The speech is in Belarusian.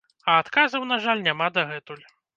А адказаў, на жаль, няма дагэтуль.